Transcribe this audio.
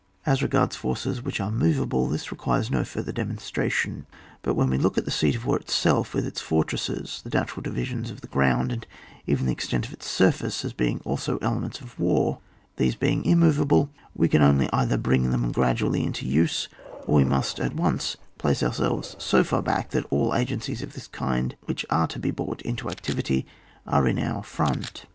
As regards forces which are moveable, this requires no further demonstration; but when we look at the seat of war it self, with its fortresses, the natural divi sions of the ground, and even the extent of its surface as being also elements of war, then, these being immovable, we can only either bring them gradually into use, or we must at once place ourselves so far back, that all agencies of this kind which are to be brought into activity are in our front.